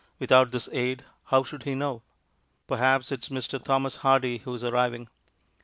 Without this aid, how should he know? Perhaps it is Mr. Thomas Hardy who is arriving.